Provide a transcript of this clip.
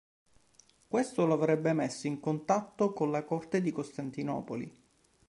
Questo lo avrebbe messo in contatto con la corte di Costantinopoli.